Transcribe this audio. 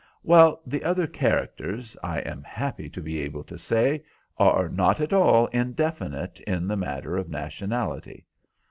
"Well, the other characters, I am happy to be able to say, are not at all indefinite in the matter of nationality.